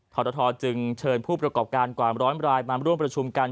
ทรทจึงเชิญผู้ประกอบการกว่าร้อยรายมาร่วมประชุมกัน